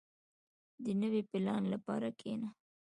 • د نوي پلان لپاره کښېنه.